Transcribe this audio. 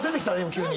急に。